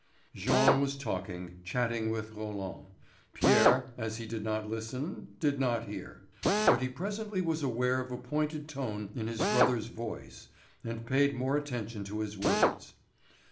Jean was talking, chatting with Roland. Pierre, as he did not listen, did not hear. But he presently was aware of a pointed tone in his brother's voice and paid more attention to his words.